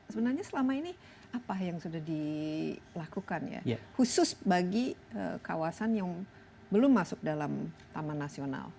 sebenarnya selama ini apa yang sudah dilakukan ya khusus bagi kawasan yang belum masuk dalam taman nasional